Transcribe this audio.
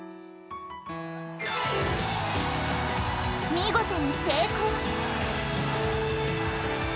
見事に成功。